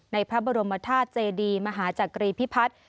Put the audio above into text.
ในพระบรมธาตุเจดีมหาจักรีพิพัฒน์